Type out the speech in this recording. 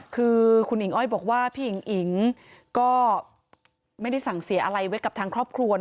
คือคุณหญิงอ้อยบอกว่าพี่หญิงอิ๋งก็ไม่ได้สั่งเสียอะไรไว้กับทางครอบครัว